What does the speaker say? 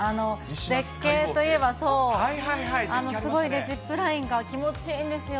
絶景といえばそう、すごいジップラインが気持ちいいんですよ。